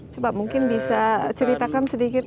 coba mungkin bisa ceritakan sedikit